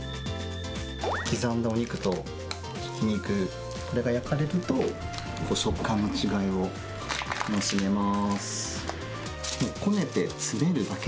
刻んだお肉とひき肉、これが焼かれると、食感の違いが楽しめます。